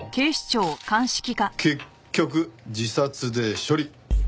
結局自殺で処理。